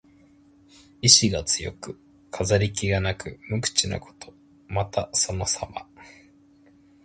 意思が強く、飾り気がなく無口なこと。また、そのさま。